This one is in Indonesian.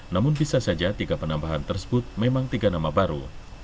namun bisa saja tiga penambahan tersebut memang tiga nama baru